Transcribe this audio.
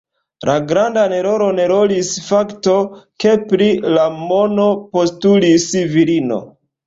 La grandan rolon rolis fakto, ke pri la mono postulis virino.